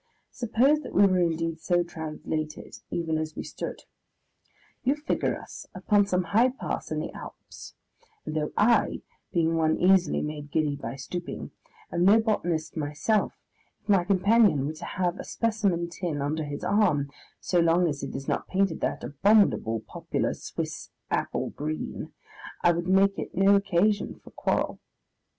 Suppose that we were indeed so translated even as we stood. You figure us upon some high pass in the Alps, and though I being one easily made giddy by stooping am no botanist myself, if my companion were to have a specimen tin under his arm so long as it is not painted that abominable popular Swiss apple green I would make it no occasion for quarrel!